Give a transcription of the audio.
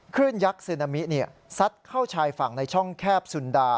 ยักษ์ซึนามิซัดเข้าชายฝั่งในช่องแคบสุนดา